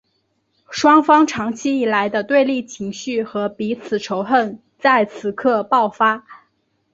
双方长期以来的对立情绪和彼此仇恨在此刻爆发。